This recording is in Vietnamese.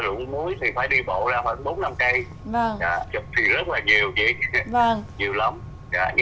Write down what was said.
ra ruộng muối thì phải đi bộ ra khoảng bốn năm cây